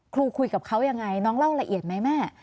คุยกับเขายังไงน้องเล่าละเอียดไหมแม่